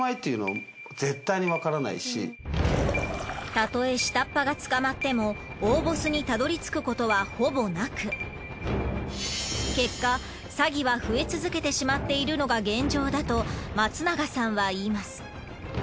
たとえ下っ端が捕まっても大ボスにたどりつくことはほぼなく結果詐欺は増え続けてしまっているのが現状だと松永さんは言います。